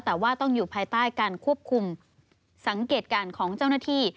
แต่ว่าต้องอยู่ภายใต้การควบคุมสังเกตการณ์ของเจ้าหน้าที่